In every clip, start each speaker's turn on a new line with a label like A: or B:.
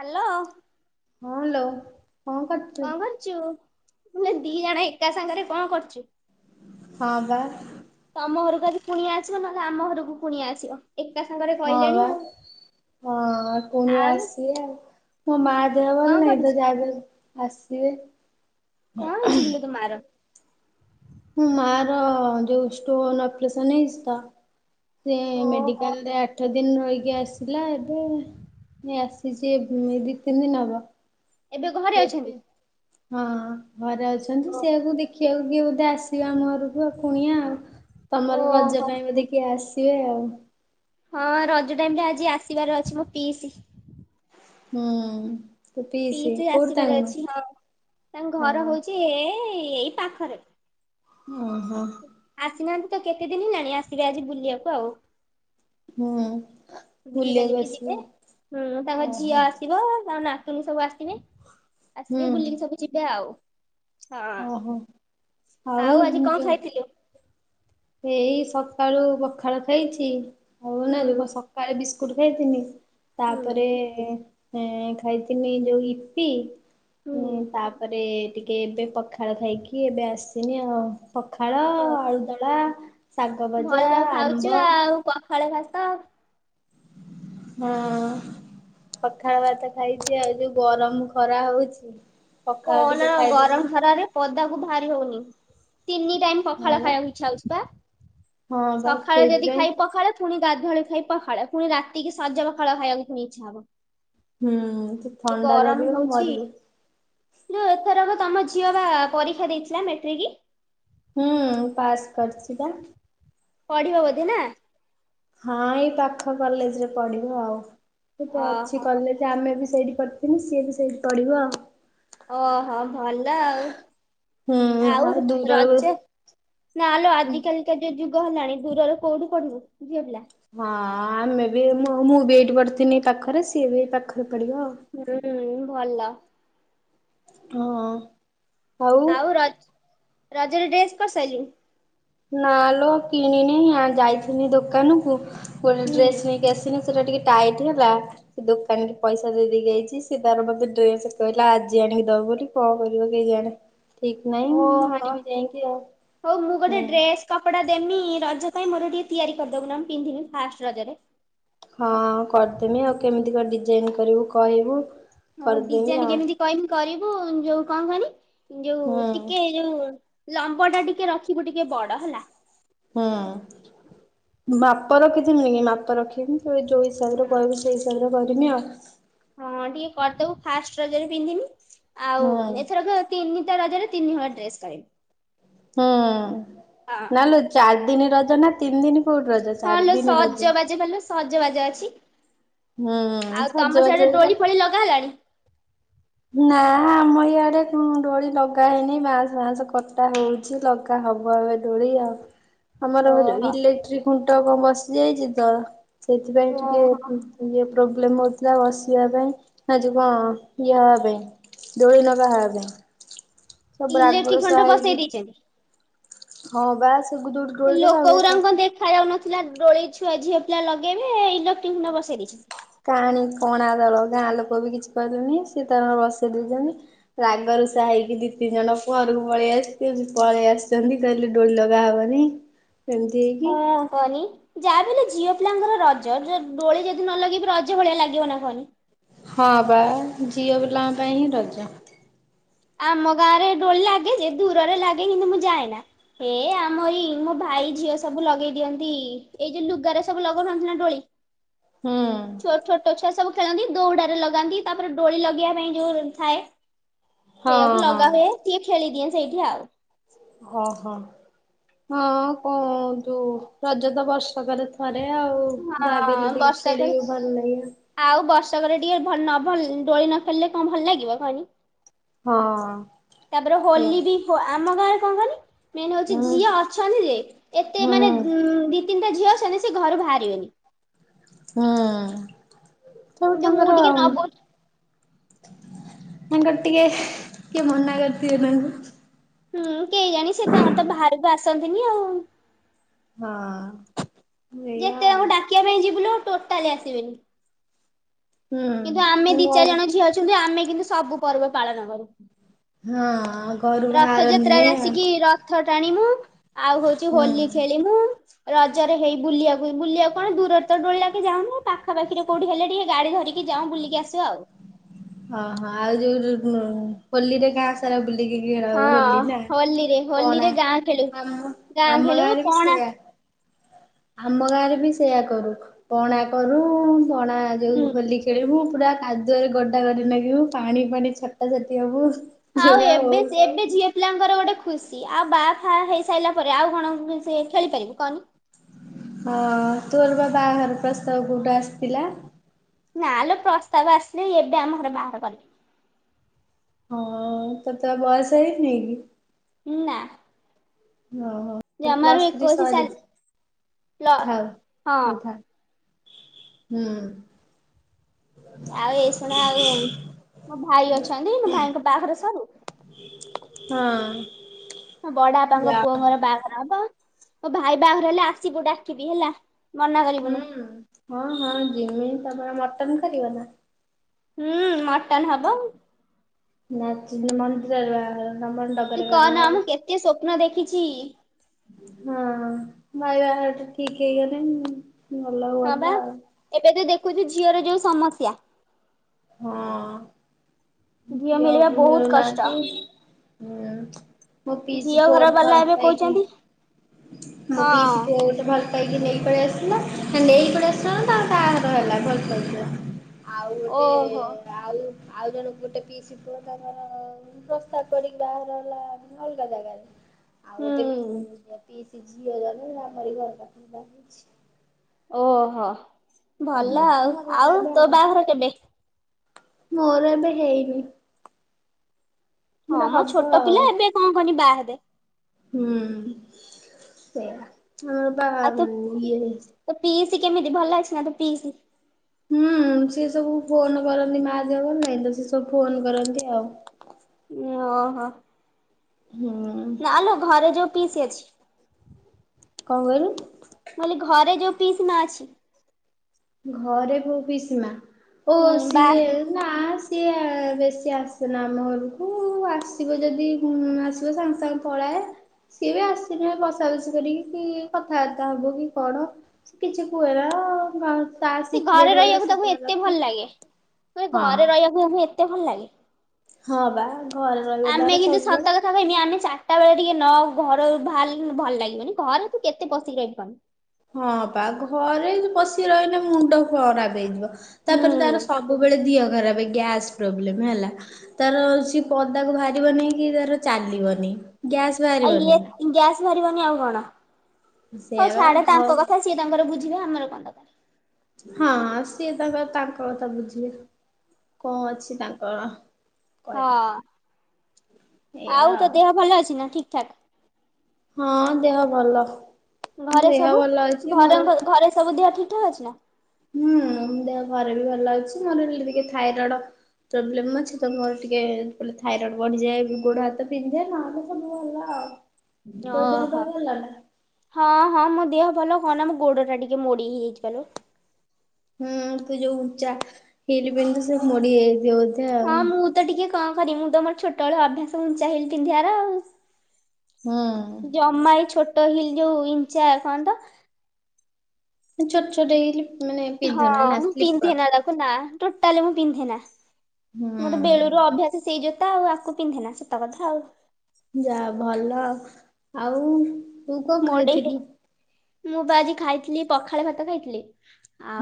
A: Hello.
B: ହଁ ଲୋ, କଣ କର
A: କଣ କରୁଛୁ? ଆମେ ଦି ଜଣ ଏକା ସାଙ୍ଗରେ କଣ କରୁଛୁ।
B: ହଁ ବା।
A: ତମ ଘରକୁ ଆଜି କୁଣିଆ ଆସିବ, ନହେଲେ ଆମ ଘରକୁ କୁଣିଆ ଆସିବ। ଏକା ସାଙ୍ଗରେ
B: ହଁ
A: କହିଲେଣି
B: ବା।
A: ଆଉ।
B: ହଁ, କୁଣିଆ
A: ଆଉ
B: ଆସିବେ ଆଉ। ମୋ ମା ଦେହ
A: କଣ
B: ଭଲ ନାହିଁ। ତ
A: କରୁଚୁ?
B: ଯାହାବି ହେଲେ ଆସିବେ।
A: କଣ ହେଇଛି କିଲୋ ତୋ ମାଆ ର?
B: ହୁଁ, ମା ର ଯୋଉ ଷ୍ଟୋନ୍‌ ଅପରେସନ୍‌ ହେଇଛି ତ। ସିଏ
A: ଓହୋ
B: ମେଡିକାଲରେ ଆଠ ଦିନ ରହିକି ଆସିଲା ଏବେ। ଏ ଆସିଛି, ଏ ଦି-ତିନି ଦିନ ହବ,
A: ଏବେ ଘରେ ଅଛନ୍ତି?
B: ସେଇଥିପାଇଁ ହଁ, ଘରେ ଅଛନ୍ତି।
A: ଓ
B: ସେଆକୁ ଦେଖିବାକୁ କିଏ ବୋଧେ ଆସିବେ ଆମ ଘରକୁ ଆଉ କୁଣିଆ ଆଉ। ତମର ରଜ
A: ଓହୋ
B: ପାଇଁ ବୋଧେ କିଏ ଆସିବେ ଆଉ?
A: ହଁ, ରଜ ଟାଇମ୍ ରେ ଆଜି ଆସିବାର ଅଛି ମୋ ପିଇସି।
B: ହୁଁ। ତୋ
A: ପିଇସି
B: କୋଉଠି
A: ଆସିବାର
B: ତାଙ୍କ ଘର?
A: ଅଛି। ହଁ, ତାଙ୍କ ଘର
B: ହଁ
A: ହଉଛି ଏ, ଏଇ ପାଖରେ।
B: ଓହୋ।
A: ଆସିନାହାନ୍ତି ତ କେତେ ଦିନ ହେଲାଣି, ଆସିବେ ଆଜି ବୁଲିବାକୁ ଆଉ।
B: ହୁଁ।
A: ବୁଲି
B: ବୁଲିବାକୁ
A: ଵାଲିକି
B: ଆସିବେ
A: ଯିବେ। ହୁଁ, ତାଙ୍କ ଝିଅ
B: ଓହୋ
A: ଆସ ସିବ, ଆଉ ନାତୁଣୀ ସବୁ ଆସିବେ।
B: ହୁଁ
A: ଆସିବେ, ବୁଲିକି ସବୁ ଯିବେ ଆଉ। ହଁ।
B: ଓହୋ
A: ଆଉ ଆଜି କଣ ଖାଇଥିଲୁ?
B: ଏଇ ସକାଳୁ ପଖାଳ ଖାଇଛି। ହଉ ନା
A: ହୁଁ
B: ବେ, ସକାଳେ ବିସ୍କୁଟ ଖାଇଥିନି।
A: ହୁଁ
B: ତାପରେ ଏ ଖାଇଥିନି, ଯୋଉ ଇପି। ହୁଁ, ତାପରେ ଟିକେ ଏବେ ପଖାଳ ଖାଇକି, ଏବେ ଆସିନି ଆଉ। ପଖାଳ,
A: ଓ
B: ଆଳୁଦମ୍
A: ଭଲ ଖାଉଛୁ ଆଉ ପଖାଳ ଭାତ।
B: ହଁ, ପଖାଳ ଭାତ ଖାଇଛି ଆଉ, ଯୋଉ ଗରମ ଖରା ହଉଛି। ପଖାଳ
A: କହନା,
B: ଟିକେ ଖାଇଦେଲେ
A: ଗରମ ଖରାରେ ପଦାକୁ ବାହାରି ହଉନି। ତିନି ଟାଇମ୍
B: ହଁ
A: ପଖାଳ
B: ବା
A: ଖାଇବାକୁ ଇଚ୍ଛା ହଉଛି ବା।
B: ହଁ ବା
A: ସଖାଳେ ଯଦି
B: ସେଇଥିପାଇଁ
A: ଖାଇବି ପଖାଳ ପୁଣି ଗାଧୁଆଳେ ଖାଇଵି ପଖାଳ, ପୁଣି ରାତିକି ସଜ ପଖାଳ ଖାଇବାକୁ ପୁଣି ଇଚ୍ଛା ହବ।
B: ହୁଁ,
A: ଏ
B: ଥଣ୍ଡା
A: ଗରମ
B: ଧରିବ,
A: ହଉଛି
B: ମରିବୁ।
A: ଯୋଉ ଏଥରକ ତମ ଝିଅ ବା ପରୀକ୍ଷା ଦେଇଥିଲା, ମେଟ୍ରିକି?
B: ହୁଁ, ପାସ୍ କରିଛି ବା।
A: ପଢ଼ିବ ବୋଧେ, ନା?
B: ହଁ, ଏଇ ପାଖ କଲେଜରେ ପଢ଼ିବ ଆଉ। ଏଠି ଅଛି
A: ଓହୋ
B: କଲେଜ ଆମେ ବି ସେଇଠି ପଢ଼ିଥିଲୁ। ସିଏ ବି ସେଇଠି ପଢ଼ିବ ଆଉ।
A: ଓହୋ, ଭଲ ଆଉ।
B: ହୁଁ
A: ଆଉ
B: ଦୂରରୁ
A: ରଜ ନା ଲୋ ଆଜିକାଲି ଯ ଯୁଗ ହେଲାଣି ଦୂରରେ କୋଉଠି ପଢ଼ିବୁ ଝିଅ ପିଲା।
B: ହଁ ଆମେ ବି ମୁଁ ବି ଏଇଠି ପଡିଥିନି ପାଖରେ ସିଏ ବି ଏଇ ପାଖରେ ପଡିବ ଆଉ।
A: ହୁଁ ଭଲ।
B: ହଁ ଆଉ।
A: ଆଉ ରଜ ରଜରେ ଡ୍ରେସ୍ କରିସାରିଲାଇ।
B: ନା ଲୋ କିଣିନି ଆ ଯାଇଥିନି ଦୋକାନକୁ ଗୋଟେ
A: ହୁଁ
B: ଡ୍ରେସ ନେଇକି ଆସି। ଥିନି ସେଇଟା ଟିକେ ଟାଇଟ୍ ହେଲା। ସେ ଦୋକାନି କି ପଇସା ଦେଇ ଦେଇକି ଆଇଛି ସି ତାର ମତେ ଡ୍ରେସ କହିଲା ଆଜି ଆଣିକି ଦବ ବୋଲି। କଣ କରିବ କେଜାଣି ଠିକ ନାହିଁ ମୁଁ
A: ଓହୋ।
B: ଆଣିବି ଯାଇକି ଆଉ।
A: ହଉ ମୁଁ ଗୋଟେ
B: ହୁଁ।
A: ଡ୍ରେସ୍ କପଡ଼ା ଦେମି ରଜ ପାଇଁ ମୋର ଟିକେ ତିଆରି କରିଦବୁ ନା ମୁଁ ପିନ୍ଧିବି ଫାଷ୍ଟ ରଜରେ।
B: ହଁ କରିଦେମି ଆଉ କେମିତିକଣ ଡିଜାଇନ୍ କରିବୁ କହିବୁ।
A: ହଉ
B: କରିଦେମି
A: ଡିଜାଇନ
B: ଆଉ
A: କେମିତି କହିମି କରିବୁ ଯୋଉ କଣ କହନି ଯୋଉ
B: ହୁଁ
A: ଟିକେ ଯୋଉ। ଲମ୍ବ ଟା ଟିକେ ରଖିବୁ ଟିକେ ବଡ ହେଲା।
B: ହୁଁ ମାପ ରଖିଛି କି ମାପ ରଖିଵି ତ ଯେଉ ହିସାବରେ
A: ହଁ
B: କହିବୁ ସେଇ ହିସାବରେ କରିମି ଆଉ।
A: ହଁ ଟିକେ କରିଦେବୁ ଫାଷ୍ଟ ରଜରେ ପିନ୍ଧିମି ଆଉ
B: ହୁଁ
A: ଏଥରକ ତିନିଟା ରଜରେ ତିନି ହଳ ଡ୍ରେସ କରିବି।
B: ହୁଁ
A: ହଁ।
B: ନା ଲୋ ଚାରି ଦିନ ରଜ ନା ତିନି ଦିନ କୋଉଠି ରଜ
A: ହଁ
B: ଚାରି
A: ଲୋ
B: ଦିନ ରଜ।
A: ସଜବାଜ ଭାଲୋ ସଜବାଜ ଅଛି
B: ହୁଁ
A: ଆଉ ତମ
B: ସଜବାଜ
A: ସାଡେ
B: ତ
A: ଡୋଳି ଫୋଳି ଲଗା ହେଲାଣି।
B: ନା ଆମ ଇଆଡେ ଡୋଳି ଲଗା ହେଇନି ବାଁସ ଫାସ କଟା ହଉଛି ଲଗା ହବ ଏବେ ଦୋଳି ଆଉ ଆମର
A: ଓହୋ
B: ଇଲେକ୍ଟ୍ରିକ ଖୁଣ୍ଟ କଣ ବସିଯାଇଛି ତ। ସେଥିପାଇଁ ଟିକେ
A: ଓହୋ
B: ଇଏ ପ୍ରୋବ୍ଲେମ ହଉଥିଲା ବସିବା ପାଇଁ ନା ଯ କଣ? ଇଏ ହେବା ପାଇଁ ଦୋଳି ଲଗା ହେବା ପାଇଁ ସବୁ ରାଗ
A: ଇଲେକ୍ଟ୍ରି ଖଣ୍ଟ
B: ରୁଷା
A: ବସେଇ
B: ହେଇକି।
A: ଦେଇଛନ୍ତି।
B: ହଁ ସବୁ [unintelligible]
A: ଲୋକ ଗୁୁରାଙ୍କ ଦେଖା ଯାଉନଥିଲା ଡୋଳି ଛୁଆ ଝିଅ ପିଲା ଲଗେଇବେ ଇଲେକ୍ଟ୍ରିକ ଖୁଣ୍ଟ ବସେଇ ଦେଇଛନ୍ତି।
B: କାଣି କଣା ଦଳ ଗାଁ ଲୋକ ବି କିଛି କହିଲେନି ସ ତାର ବସେଇ ଦେଇଛନ୍ତି। ରାଗରୁସା ହେଇକି ଦି ତିନି ଜଣ ଘରକୁ ପଳେଇ ଆସିଛି ପଳେଇ ଆସିଛନ୍ତି କହିଲେ ଡୋଳି ଲଗା ହେବନି। ହ ସେମିତି
A: ହଁ କହନି। ଯାହା ବି ହେଲେ ଝିଅ ପିଲାଙ୍କର ରଜ ଡୋଳି ଯଦି ନ ଲଗେଇବ ରଜ ଭଳିଆ ଲାଗିବ ନା କହନି।
B: ହଁ ବା ଝିଅ ପିଲାଙ୍କ ପାଇଁ ହିଁ ରଜ।
A: ଆମ ଗାଁରେ ଡୋଳି ଲାଗେ ଯେ ଦୂରରେ ଲାଗେ କିନ୍ତୁ ମୁଁ ଯାଏନା। ଏ ଆମ ଏଇ ମୋ ଭାଇ ଝିଅ ସବୁ ଲଗେଇ ଦିଅନ୍ତି ଏଇ ଯୋଉ ଲୁଗାରେ ସବୁ ଲଗଉନାନ୍ତି ନା ଦୋଳି।
B: ହୁଁ।
A: ତ ଛୋଟୋ ଛୁଆ ସବୁ ଖେଳନ୍ତି ଦୌଡ଼ାରେ ଲଗାନ୍ତି ତାପରେ ଦୋଳି ଲଗେଇବା ପାଇଁ ଯୋଉ ଥାଏ
B: ହଁ
A: ସେଇଆକୁ
B: ହଁ
A: ଲଗା ହୁଏ ଟିକେ ଖେଳିଦିଏ ସେଇଠି ଆଉ।
B: ଓହୋ ହଁ କଣ ତୁ ରଜ ତ ବର୍ଷକରେ ଯାହାବି
A: ହଁ
B: ହେଲେ ଟିକେ
A: ବର୍ଷକରେ
B: ଖେଳିବୁ ଭଲ ଲାଗିବ।
A: ଆଉ ବର୍ଷକରେ ଟିକେ ଭ ନ ଭଲ ଦୋଳି ନ ଖେଳିଲେ କଣ ଭଲ ଲାଗିବ କହି
B: ହଁ
A: ତାପରେ ହୋଲି ବି ଆମ ଗାଁରେ କଣ କନି ମେନ୍
B: ହଁ
A: ହୋଉଛି ଝିଅ ଅଛନ୍ତି ଯେ ଏତେ
B: ହୁଁ
A: ମାନେ ଉ ଦି ତିନିଟା ଝିଅ ଅଛନ୍ତି ସେ ଘରୁ ବାହାରିବେନି।
B: ହୁଁ
A: କିନ୍ତୁ
B: ତେଣୁ
A: ମୁଁ
B: ତାଙ୍କର
A: ଟିକେ ନ
B: ତାଙ୍କର ଟିକେ କିଏ ମନା କରିଥିବେ ତାଙ୍କୁ।
A: ହୁଁ କେୟାଣି ସେ ତାଙ୍କର ତ ବାହାରକୁ ଆସନ୍ତିନି ଆଉ।
B: ହଁ। ଏଇଆ
A: ଯେତେ ତାଙ୍କୁ
B: ଆଉ।
A: ଡାକିବା ପାଇଁ ଯିବୁ ଲୋ ଟୋଟାଲ ଆସିବେନି। କିନ୍ତୁ ଆମେ ଦି
B: ହୁଁ
A: ଚାରି ଜଣ ଝିଅ ଅଛନ୍ତି ଆମେ କିନ୍ତୁ ସବୁ ପର୍ବ ପାଳନ କରୁ।
B: ହଁ ଘରୁ
A: ରଥଯାତ୍ରାରେ
B: ବାହାରନ୍ତି।
A: ଆସିକି ରଥ ଟାଣିମୁ ଆଉ ହୋଉଚି
B: ହୁଁ।
A: ହୋଲି ଖେଳିମୁ। ରଜରେ ହେଇ ବୁଲିବାକୁ ବୁଲିବାକୁ କଣ ଦୂରରେ ତ ଦୋଳି ଲାଗେ ଯାଉନୁ ପାଖା ପାଖିରେ କୋଉଠି ହେଲେ ଟିକେ ଗାଡି ଧରିକି ଯାଉଁ ବୁଲିକି ଆସୁ ଆଉ।
B: ହଁ ହଁ ଆଉ ଯୋଉ ହୋଲିରେ କା ଗାଁ ସାରା ବୁଲିକି ଟିକେ
A: ହଁ
B: ହୋଲି ନା
A: ହୋଲିରେ ହୋଲିରେ
B: କହନା
A: ଗାଁ ଖେଳୁ
B: ଆମ
A: ଗାଁ
B: ଆମ
A: ଖେଳୁ
B: ଗାଁରେ ବି
A: ପଣା
B: ସେୟା। ଆମ ଗାଁରେ ବି ସେଇୟା କରୁ ପଣା କରୁ ପଣା ଯୋଉ
A: ହୁଁ।
B: ହୋଲି ଖେଳିବୁ ପୁରା କାଦୁଅରେ ଗଡା ଗଡି ନାଗିବୁ ପାଣି ପାଣି ଛଟା ଛଟି ହୋ ବୁ।
A: ଆଉ ଏବେ ଏବେ ଯିଏ, [unintelligible] ପିଲାଙ୍କର ଗୋଟେ ଖୁସି ଆଉ ବାହା ଫା ହେଇସାରିଲା ପରେ ଆଉ କଣ ସେ ଖେଳିପାରିବେ।
B: ହଁ ତୋର ପା ବାହାଘର ପ୍ରସ୍ତାବ କୋଉଠୁ ଆସିଥିଲା?
A: ନାଲୋ ପ୍ରସ୍ତାବ ଆସିନି ଏବେ ଆମ ଘରେ ବାହାଘର
B: ହଁ ତତେ ବୟସ ହେଇନି?
A: ନା। [inaudible]
B: ହଁ ହଁ
A: ଜମାରୁ
B: ପ୍ଲସଥିରି
A: ଏକୋଇଶି ଚାଲି ଲ
B: ସରିଛି
A: ହଁ
B: ହ [unintelligible] ହୁଁ।
A: ଆଉ ଏଇ ଶୁଣା ଆଉ ମୋ ଭାଇ ଅଛନ୍ତି ମୋ ଭାଇଙ୍କ ବାହାଘର ସରୁ।
B: ହଁ।
A: ମୋ ବଡପାଙ୍କ
B: ଯା
A: ପୁଅଙ୍କର ବାହାଘର ହବ। ମୋ ଭାଇ ବାହାଘର ହେଲେ ଆସିବୁ ଡାକିବି ହେଲା। ମନା
B: ହୁଁ
A: କରିବୁନୁ
B: ହଁ ହଁ ଯିମି ତମର ମଟନ୍ କରିବ ନା?
A: ହୁଁ ମଟନ୍ ହବ।
B: ନାଚିଵି ମନ୍ଦିରରେ ବାହାଘର ନା କଣ?
A: ତୁ କହନା ମୁଁ କେତେ ସୂପ୍ନ ଦେଖିଚି।
B: ହଁ ଭାଇ ବାହାଘର ଠିକ୍ ହେଇଗଲେ ଭଲ
A: ହଁ ବା
B: ହୁଅନ୍ତା।
A: ଏବେ ତ ଦେଖୁଚୁ ଝିଅର ଯୋଉ ସମସ୍ୟା।
B: ହଁ ଝିଅ
A: ମିଳିବା
B: ଆଉ
A: ବହୁତ କଷ୍ଟ
B: ମିଳୁନାହାନ୍ତି। ହୁଁ ମୋ ପିଇସି
A: ଝିଅ
B: ପୁଅ
A: ଘର
B: ଗୋଟେ
A: ବାଲା
B: ଭଲ
A: ଏବେ
B: ପାଇକି
A: କହୁଛନ୍ତି
B: ମୋ
A: ହଁ
B: ପିଇସି ପୁଅ ଗୋଟେ ଭଲ ପାଇକି ନେଇ ପଳେଇ ଆସିଲା ନେଇ କି ପଳେଇ ଆସିଲା ନାଁ ତା ବାହାଘର ହେଲା ଭଲ ପାଇଥିଲା। ଆଉ ଗୋଟେ
A: ଓହୋ
B: ଆଉ ଆଉ ଜଣେ ଗୋଟେ ପିଇସି ପୁଅ ତାଙ୍କର ପ୍ରସ୍ତାବ ପଡିକି ବାହାଘର ହେଲା ଅଲଗା ଜାଗାରେ। ଆଉ
A: ହୁଁ
B: ଗୋଟେ ପିଇସି ଝିଅ ଜଣେ ଆମରି ଘର ପାଖରେ ବାହା ହେଇଚି।
A: ଓହ। ଭଲ ଆଉ।
B: ମୋର
A: ଆଉ
B: ଏବେ
A: ତୋ ବାହାଘର କେବେ?
B: ମୋର ଏବେ ହେଇନି।
A: ହଁ
B: ମୋର
A: ମୋ
B: ହବ
A: ଛୋଟ
B: ଆଉ
A: ପିଲା ଏବେ କଣ କହନି ବାହାହେବେ।
B: ହୁଁ। ସେଇଆ। ହଁ ପା
A: ଆଉ ତୋ
B: ଇଏ
A: ତୋ ପିଇସି କେମିତି ଭଲ ଅଛି ନା ତୋ ପିଇସି?
B: ହୁଁ। ସେ ସବୁ ଫୋନ କରନ୍ତି ମା ଦେହ ଭଲ ନାଇଁ ତ, ସେ ସବୁ ଫୋନ କରନ୍ତି ଆଉ।
A: ଅ ହ।
B: ହୁଁ। କଣ
A: ନାଲୋ ଘରେ ଯୋଉ ପିଇସି ଅଛି।
B: କଣ କହିଲୁ?
A: ମୁଁ କହିଲି ଘରେ ଯୋଉ ପିଇସି ମା ଅଛି।
B: ଘରେ ଯୋଉ ପିଇସି ମା ଓ
A: ହୁଁ ବାହା
B: ସିଏ
A: ହେଇ
B: ନା ସିଏ ବେଶୀ ଆସେନା ଆମ ଘରକୁ। ଆସିବ ଯଦି ଆସିବ ସାଙ୍ଗେ ସାଙ୍ଗେ ପଳାଏ। ସିଏ ବି ଆସିଲେ ବସା ବସି କରିକି କି କଥାବାର୍ତ୍ତା ହବ କି କଣ। କିଛି କୁହେ ନା [unintelligible]
A: ଘରେ ରହିବାକୁ ତାକୁ ଏତେ ଭଲ ଲାଗେ? କହିଲି
B: ହଁ
A: ଘରେ ରହିବାକୁ ତାକୁ ଏତେ ଭଲ ଲାଗେ।
B: ହଁ ବା ଘରେ ରହିବ
A: ଆମେ
B: ତାର
A: କିନ୍ତୁ ସତ
B: ସବୁବେଳେ।
A: କଥା କହିବି ଆମେ ଚାରିଟା ବେଳେ ଟିକେ ନ ଘରୁ ବାହାରିଲେ ଭଲ ଲାଗିବନି। ଘରେ ତୁ କେତେ ପଶିକି ରହିବୁ କହନି।
B: ହଁ ପା ଘରେ ପସିିକି ରହିଲେ ମୁଣ୍ଡ ଖରାପ ହେଇଯିବ। ତାପରେ ତାର
A: ହୁଁ।
B: ସବୁବେଳେ ଦିହ ଖରାପ ଗ୍ୟାସ୍ ପ୍ରୋବ୍ଲେମ ହେଲା। ତାର ସେ ପଦାକୁ ବାହାରିବନି କି ତାର ଚାଲିବନି। ଗ୍ୟାସ୍
A: ଆଉ
B: ବାହାରିବନି
A: ଇଏ
B: ନା।
A: ଗ୍ୟାସ୍ ବାହାରିବନି ଆଉ କଣ। ହଉ
B: ସେଇଆ ବା
A: ଛାଡେ
B: ଘ
A: ତାଙ୍କ କଥା ସିଏ ତାଙ୍କର ବୁଝିବେ ଆମର କଣ ଦକାରେ।
B: ହଁ ସିଏ ତାଙ୍କର ତାଙ୍କ କଥା ବୁଝିବେ। କଣ ଅଛି ତାଙ୍କର।
A: ହଁ।
B: କହିବା
A: ଆଉ ତୋ ଦେହ ଭଲ ଅଛିନା ଠିକ୍ ଠାକ୍?
B: ହଁ ଦେହ ଭଲ।
A: ଘରେ
B: ଦେହ
A: ସବୁ
B: ଭଲ ଅଛି
A: ଘରେ
B: ମୋର
A: ଘରେ ସବୁ ଦେହ ଠିକ୍ ଠାକ୍ ଅଛି ନା?
B: ହୁଁ ଦେହ ଘରେ ବି ଭଲ ଅଛି। ମୋର ବି ଟିକେ ଥାଇରଡ ପ୍ରୋବ୍ଲେମ୍ ଅଛି ତ ମୋର ଟିକେ ଥାଇରଡ ବଢିଯାଏ ଗୋଡ ହାତ ବିନ୍ଧେ ନହେଲେ ସବୁ ଭଲ ଆଉ।
A: ଅ
B: ତୋ ଦେହ ପା
A: ହ।
B: ଭଲ ନା?
A: ହଁ ହଁ ମୋ ଦେହ ଭଲ। କହନା ମୋ ଗୋଡଟା ଟିକେ ମୋଡି ହେଇଯାଇଚି କାଲି।
B: ହଁ ତୁ ଯୋଉ ଉଚା ହିଲ୍ ପିନ୍ଧୁ ସେ ମୋଡି ହେଇଯାଇଥିବ ବୋଧେ
A: ହଁ
B: ଆଉ।
A: ମୁଁ ତ ଟିକେ କଣ କରିିବି, ମୁଁ ତ ମୋ ଛୋଟବେଳୁ ଅଭ୍ୟାସ ଉଞ୍ଚା ହିଲ୍ ପିନ୍ଧିବାର ଆଉ।
B: ହୁଁ।
A: ଜମା ଏଇ ଛୋଟ ହିଲ୍ ଯୋଉ ଇଞ୍ଚା କଣ ତ
B: ତୁ ଛୋଟ ଛୋଟ ହିଲ୍ ମାନେ ପିନ୍ଧୁନା
A: ହଁ
B: ନା
A: ମୁଁ
B: ସ୍ଲିପର୍।
A: ପିନ୍ଧେନା ତାକୁ ନା ଟୋଟାଲି ମୁଁ ପିନ୍ଧେନା। ମୋର
B: ହୁଁ।
A: ବେଳୁରୁ ଅଭ୍ୟାସ ସେଇ ଜୋତା ଆଉ ଆକୁ ପିନ୍ଧେନା ସତ କଥା ଆଉ।
B: ଯା ଭଲ। ଆଉ ତୁ କଣ
A: ମୋଡି ହେ
B: ଖାଇଥିଲୁ?
A: ମୁଁ ବା ଆଜି ଖାଇଥିଲି ପଖାଳ ଭାତ ଖାଇଥିଲି।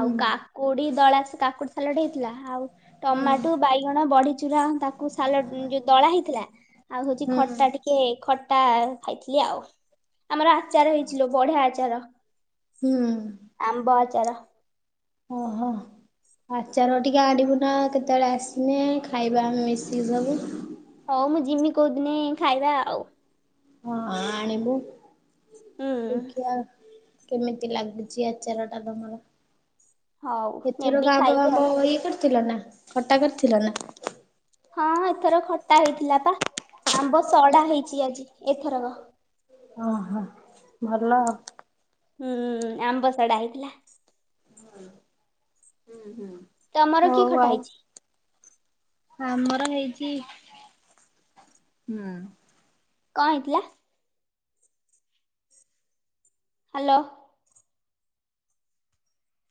B: ହୁଁ।
A: କା କୁଡି ଦଳା କାକୁଡି ସାଲଟ୍ ହେଇଥିଲା। ଆଉ
B: ହୁଁ।
A: ଟମାଟୁ ବାଇଗଣ ବଡିଚୁରା ତାକୁ ସାଲାଟ ଯଉ ଦଳା ହେଇଥିଲା। ଆଉ ହଉଚି
B: ହୁଁ।
A: ଖଟା ଟି କେ ଖଟା ଖାଇଥିଲି ଆଉ। ଆମର ଆଚାର ହେଇଚି ଲୋ ବଢିଆ ଆଚାର।
B: ହୁଁ
A: ଆମ୍ବ ଆଚାର।
B: ଓହୋ। ଆଚାର ଟିକେ ଆଣିବୁନା କେତେବେଳେ ଆସିଲେ ଖାଇବା ଆମେ ମିଶିକି ସବୁ।
A: ହଉ ମୁଁ ଜିମି କଉଦିନେ ଖାଇବା ଆଉ।
B: ହଁ ଆଣିବୁ
A: ହୁଁ
B: ଦେଖିଆ କେମିତି ଲାଗୁଛି ଆଚାର ଟା ତମର?
A: ହଉ ନେବି
B: ଏଥରକ ଆମ୍ବ
A: ଖାଇବୁ ଆଉ।
B: ଫାମ୍ବ ଇଏ କରିଥିଲ ନା ଖଟା କରିଥିଲ ନା?
A: ହଁ ଏଥର ଖଟା ହେଇଥିଲା ପା ଆମ୍ବ ସଢା ହେଇଛି ଆଜି ଏଥରକ।
B: ଓହୋ। ଭଲ।
A: ହୁଁ ଆମ୍ବ ସଢା ହେଇଥିଲା।
B: ହୁଁ ହୁଁ।
A: ତମର କି ଖଟା ହେଇଛି?
B: ଆମର ହେଇଛି ହୁଁ।
A: କଣ ହେଇଥିଲା? ହାଲୋ।